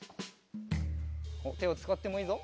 てをつかってもいいぞ。